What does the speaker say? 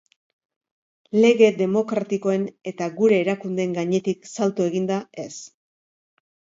Lege demokratikoen eta gure erakundeen gainetik salto eginda, ez.